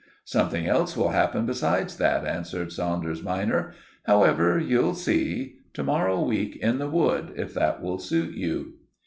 "Something else will happen besides that," answered Saunders minor. "However, you'll see. To morrow week in the wood, if that will suit you."